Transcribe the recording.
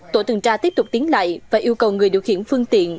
tổ tuần tra tiếp tục tiến lại và yêu cầu người điều khiển phương tiện